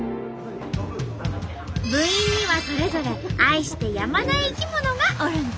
部員にはそれぞれ愛してやまない生き物がおるんと。